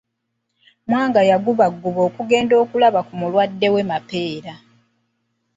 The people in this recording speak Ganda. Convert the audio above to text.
Mwanga yagubagguba okugenda okulaba ku mulwadde we Mapera.